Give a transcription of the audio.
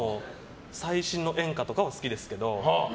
最新の演歌とかは好きですけど。